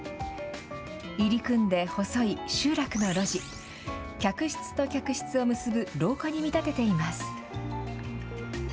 入り組んで細い集落の路地客室と客室を結ぶ廊下に見立てています。